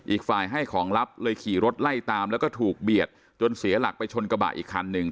อีกฝ่ายให้ของลับเลยขี่รถไล่ตามแล้วก็ถูกเบียดจนเสียหลักไปชนกระบะอีกคันหนึ่ง